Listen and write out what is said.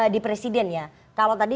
di presiden ya kalau tadi